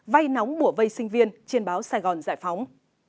vây nóng bủa vây sinh viên trên báo sài gòn giải phóng